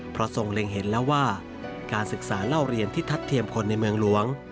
เพราะทรงเล็งเห็นแล้วว่าการศึกษาเล่าเรียนที่ทัดเทียมคนในเมืองหลวง